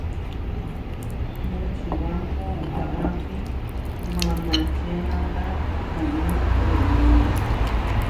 Močibámpo waʼapí mamačénata kumú remónio.